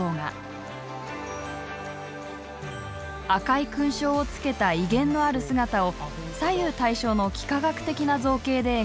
赤い勲章をつけた威厳のある姿を左右対称の幾何学的な造形で描いています。